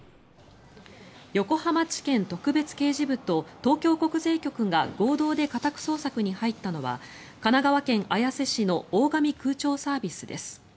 横浜地検特別刑事部と東京国税局が合同で家宅捜索に入ったのは神奈川県綾瀬市の大上空調サービスです。